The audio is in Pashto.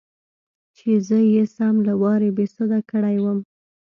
چې زه يې سم له وارې بېسده کړى وم.